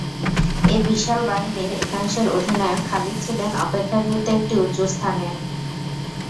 এ বিশাল বাহিনীর একাংশের অধিনায়ক খালিদ ছিলেন অপেক্ষাকৃত একটি উঁচু স্থানে।